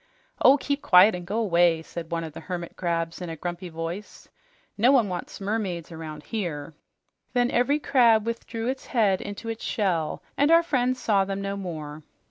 "Oh, keep quiet and go away!" said one of the hermit crabs in a grumpy voice. "No one wants mermaids around here." Then every crab withdrew its head into its shell, and our friends saw them no more.